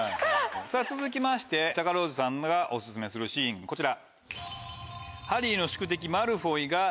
続きましてチャカローズさんがオススメするシーンこちら。